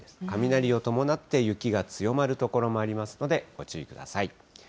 雷を伴って雪が強まる所もありますので、ご注意ください。